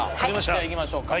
じゃあいきましょうか。